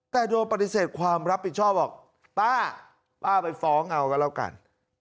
แต่โดนปฏิเสธความรับผิดชอบบอกป้าป้าไปฟ้องเอาก็แล้วกัน